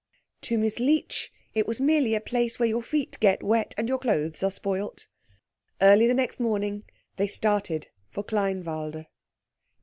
To Miss Leech, it was merely a place where your feet get wet, and your clothes are spoilt. Early the next morning they started for Kleinwalde.